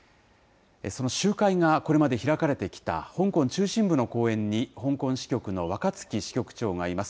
その集会がこれまで開かれてきた香港中心部の公園に、香港支局の若槻支局長がいます。